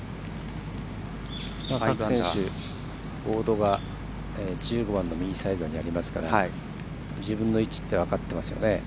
各選手、ボードが１５番の右サイドにありますから自分の位置は分かってますよね。